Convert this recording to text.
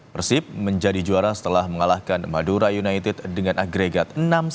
persib menjadi juara setelah mengalahkan madura united dengan agregat enam satu